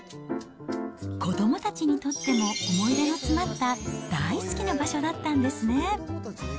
子どもたちにとっても思い出の詰まった大好きな場所だったんですね。